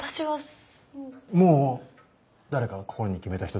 もう誰か心に決めた人でも？